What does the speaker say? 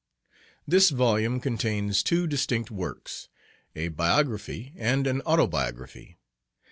THIS volume contains two distinct works, a Biography and an Autobiography.